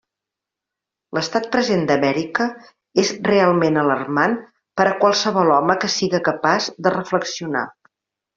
L'estat present d'Amèrica és realment alarmant per a qualsevol home que siga capaç de reflexionar.